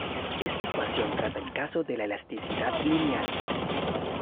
Esta ecuación trata el caso de elasticidad lineal.